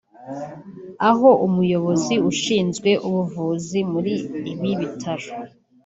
aho umuyobozi ushinzwe ubuvuzi muri ibi bitaro